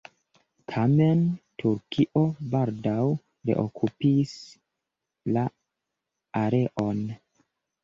Tamen, Turkio baldaŭ reokupis la areon.